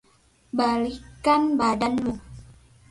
Balikkan badanmu.